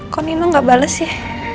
kok nino nggak bales ya